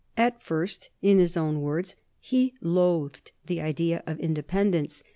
At first, in his own words, he loathed the idea of independence.